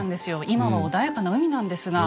今は穏やかな海なんですが。